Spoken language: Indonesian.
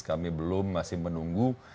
kami belum masih menunggu